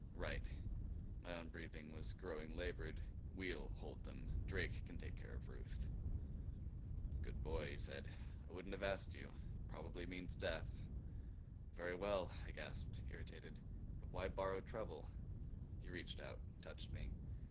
"Right." My own breathing was growing labored, "WE'LL hold them. Drake can take care of Ruth." "Good boy," he said. "I wouldn't have asked you. It probably means death." "Very well," I gasped, irritated. "But why borrow trouble?" He reached out, touched me.